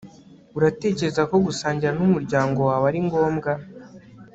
uratekereza ko gusangira n'umuryango wawe ari ngombwa